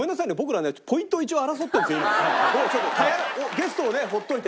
ゲストをねほっといて。